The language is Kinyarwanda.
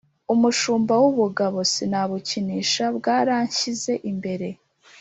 umushumba w’ubugabo sinabukinisha bwaranshyize imbere